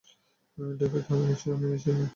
David, আমি নিশ্চিত না!